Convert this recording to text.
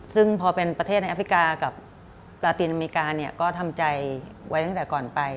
ซึ่งพอเป็นประเทศในแอฟริกากับลาตินอเมริกาเนี่ยก็ทำใจไว้ตั้งแต่ก่อนไป